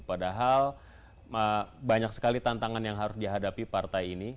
padahal banyak sekali tantangan yang harus dihadapi partai ini